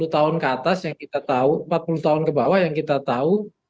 sepuluh tahun ke atas yang kita tahu empat puluh tahun ke bawah yang kita tahu